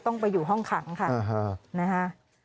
ต้องไปอยู่ห้องขังค่ะนะฮะ